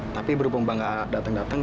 tapi berhubung mbak nggak dateng dateng